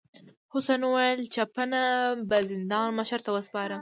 حسن وویل چپنه به زندان مشر ته وسپارم.